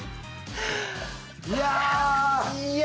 いや！